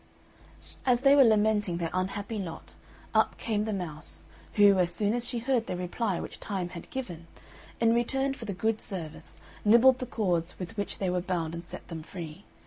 As they were lamenting their unhappy lot, up came the mouse, who, as soon as she heard the reply which Time had given, in return for the good service, nibbled the cords with which they were bound and set them free.